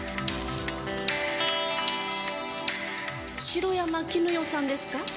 城山絹代さんですか？